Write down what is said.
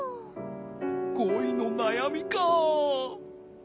こいのなやみか。